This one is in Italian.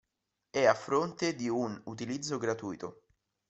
È a fronte di un utilizzo gratuito.